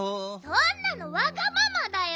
そんなのわがままだよ。